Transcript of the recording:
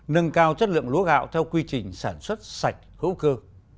nâng cao chất lượng lúa gạo theo quy trình sản xuất sạch hữu cơ